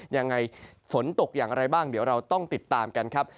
ยังไงฝนตกอย่างไรบ้างเดี๋ยวเราต้องติดตามกันครับ